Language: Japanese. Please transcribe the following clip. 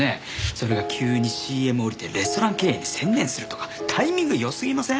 それが急にＣＭ降りてレストラン経営に専念するとかタイミング良すぎません？